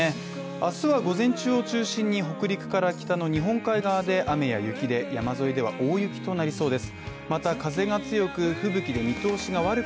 明日は午前中を中心に北陸から北の日本海側で雨や雪で、山沿いでは大雪となりそうです。